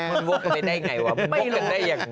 มันโว๊คกันได้อย่างไรวะมันโว๊คกันได้อย่าง